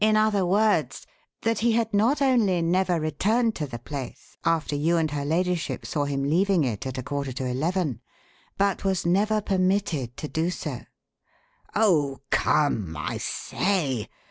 In other words, that he had not only never returned to the place after you and her ladyship saw him leaving it at a quarter to eleven, but was never permitted to do so." "Oh, come, I say!